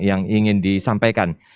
yang ingin disampaikan